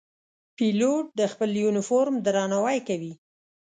پیلوټ د خپل یونیفورم درناوی کوي.